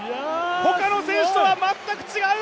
他の選手とは全く違う！